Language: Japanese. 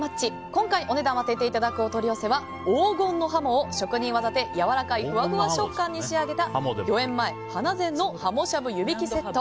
今回お値段を当てていただくお取り寄せは黄金のハモを職人技でやわらかいふわふわ食感に仕上げた御苑前花膳のはもしゃぶ、湯引きセット。